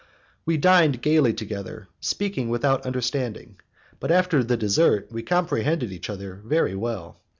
"We dined gaily together, speaking without understanding, but after the dessert we comprehended each other very well.